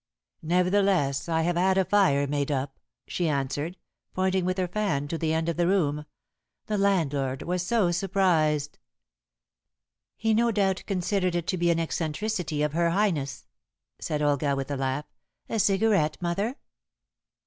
"Nevertheless I have had a fire made up," she answered, pointing with her fan to the end of the room; "the landlord was so surprised." "He no doubt considered it to be an eccentricity of Her Highness," said Olga, with a laugh; "a cigarette, mother?"